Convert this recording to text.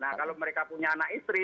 nah kalau mereka punya anak istri